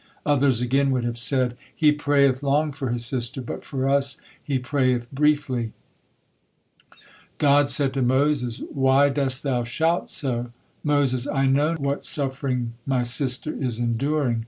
Others again would have said: "He prayeth long for his sister, but for us he prayeth briefly." God said to Moses: "Why dost thou shout so?" Moses: "I know what suffering my sister is enduring.